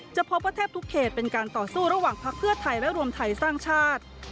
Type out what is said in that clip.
จะพบว่าแทบทุกเขตเป็นการต่อสู้ระหว่างพักเพื่อไทยและรวมไทยสร้างชาติ